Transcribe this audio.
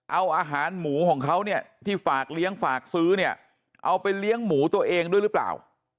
เอาอาหารหมูของเขาเนี่ยที่ฝากเลี้ยงฝากซื้อเนี่ยเอาไปเลี้ยงหมูตัวเองด้วยหรือเปล่า